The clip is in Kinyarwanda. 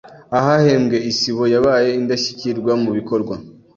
ahahembwe Isibo yabaye Indashyikirwa mu bikorwa